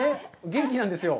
元気なんですよ。